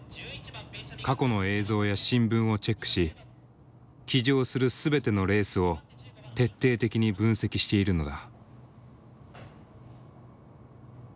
過去の映像や新聞をチェックし騎乗する全てのレースを徹底的に分析しているのだ。